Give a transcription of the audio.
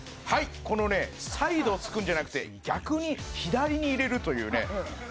「はいこのねサイドを突くんじゃなくて逆に左に入れるというね」